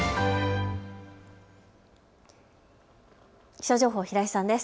気象情報、平井さんです。